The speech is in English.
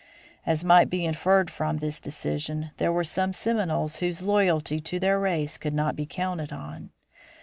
As might be inferred from this decision, there were some Seminoles whose loyalty to their race could not be counted on.